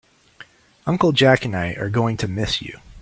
Uncle Jack and I are going to miss you.